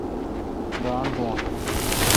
گاݨڈ بھو ۔